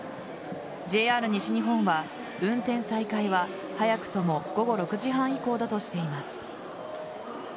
ＪＲ西日本は運転再開は早くても午後６時半以降だとしています。